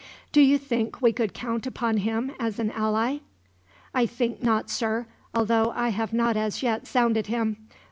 "Do you think we could count upon him as an ally?" "I think not, sir; although I have not as yet sounded him.